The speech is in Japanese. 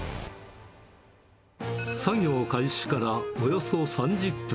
作業開始からおよそ３０分。